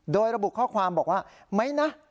โดยระบุข้อความบอกว่าไหมนะ